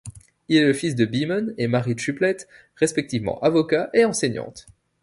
Il est le fils de Beamon et Mary Triplett, respectivement avocat et enseignante.